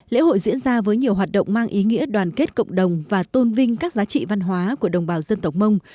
lễ hội diễn ra với nhiều hoạt động mang ý nghĩa đoàn kết cộng đồng và tôn vinh các giá trị văn hóa của đồng bào dân tộc mông